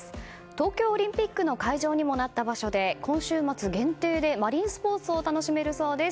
東京オリンピックの会場にもなった場所で今週末限定で、マリンスポーツを楽しめるそうです。